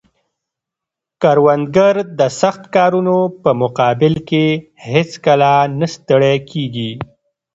کروندګر د سخت کارونو په مقابل کې هیڅکله نه ستړی کیږي